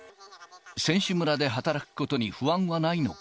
選手村で働くことに不安はないのか。